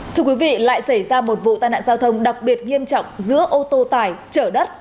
thưa quý vị lại xảy ra một vụ tai nạn giao thông đặc biệt nghiêm trọng giữa ô tô tải chở đất